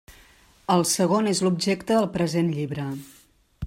El segon és l'objecte del present llibre.